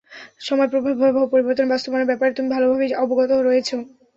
সময় প্রবাহে ভয়াবহ পরিবর্তনের সম্ভাবনার ব্যাপারে তুমি ভালোভাবেই অবগত রয়েছো।